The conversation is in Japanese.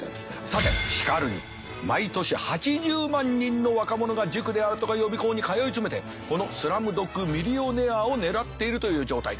さてしかるに毎年８０万人の若者が塾であるとか予備校に通い詰めてこのスラムドッグミリオネアを狙っているという状態です。